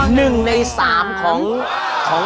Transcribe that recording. หนึ่งในสามแข็งขัน